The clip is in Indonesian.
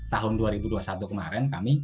tahun dua ribu dua puluh satu kemarin kami